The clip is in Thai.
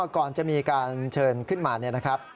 ก่อนจะมีการเชิญขึ้นมา